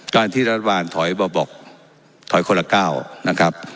การที่รัฐบาลถอยบอกถอยคนละก้าวนะครับ